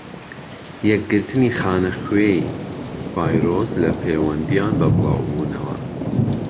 یەکگرتنی خانەخوێی-ڤایرۆس لە پەیوەندیان بە بڵاو بونەوە.